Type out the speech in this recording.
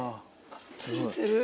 つるつる。